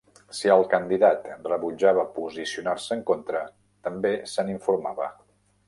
Si el candidat rebutjava posicionar-se en contra, també se n'informava.